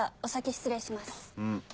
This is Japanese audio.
失礼します。